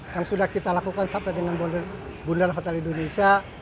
yang sudah kita lakukan sampai dengan bunda nahakota indonesia